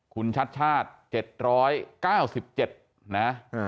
คุณชัดชาติ๗๙๗นะ